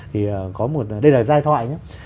thì có một đây là giai thoại nhé